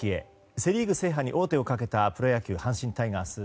セ・リーグ制覇に王手をかけたプロ野球、阪神タイガース。